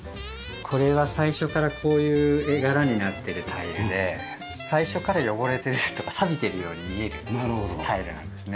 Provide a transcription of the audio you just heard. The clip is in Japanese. これは最初からこういう絵柄になってるタイルで最初から汚れてるというかさびてるように見えるタイルなんですね。